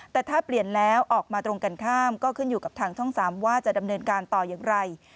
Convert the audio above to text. แต่ถ้าเปลี่ยนแล้วออกมาตรงกันข้ามก็ขึ้นอยู่กับทางช่อง๓ว่าจะดำเนินการต่ออย่างไร